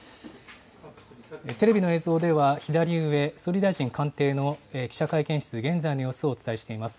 テレビの映像では左上、総理大臣官邸の記者会見室、現在の様子をお伝えしています。